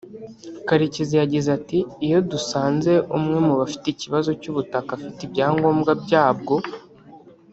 Karekezi yagize ati “Iyo dusanze umwe mu bafite ikibazo cy’ubutaka afite ibyangombwa byabwo